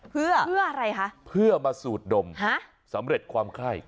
เพื่ออะไรคะเพื่อมาสูดดมสำเร็จความไข้